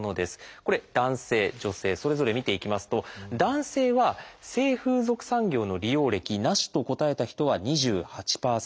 これ男性女性それぞれ見ていきますと男性は性風俗産業の利用歴「なし」と答えた人は２８％。